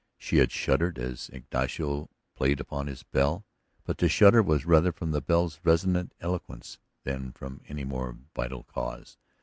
She had shuddered as Ignacio played upon his bell; but the shudder was rather from the bell's resonant eloquence than from any more vital cause.